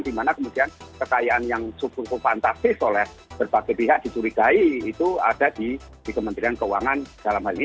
dimana kemudian kekayaan yang cukup fantastis oleh berbagai pihak dicurigai itu ada di kementerian keuangan dalam hal ini